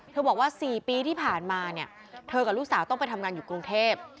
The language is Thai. บอกว่า๔ปีที่ผ่านมาเนี่ยเธอกับลูกสาวต้องไปทำงานอยู่กรุงเทพ